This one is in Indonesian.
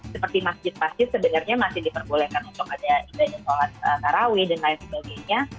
seperti masjid masjid sebenarnya masih diperbolehkan untuk ada ibadah sholat taraweh dan lain sebagainya